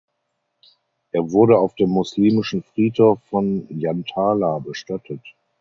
Er wurde auf dem Muslimischen Friedhof von Yantala bestattet.